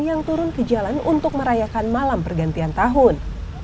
yang turun ke jalan untuk merayakan malam pergantian tahun